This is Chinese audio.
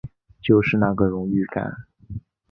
就是那个荣誉感